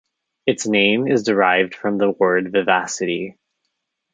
Its name is derived from the word "vivacity".